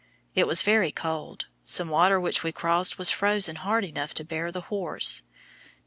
It was very cold; some water which we crossed was frozen hard enough to bear the horse.